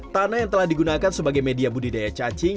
tanah yang telah digunakan sebagai media budidaya cacing